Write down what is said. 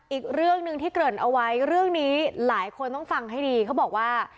อีกเรื่องหนึ่งที่เกริ่นเอาไว้เรื่องนี้หลายคนต้องฟังให้ดีเขาบอกว่า